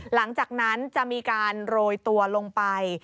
หลังจากนั้นจะมีการโรยตัวลงไป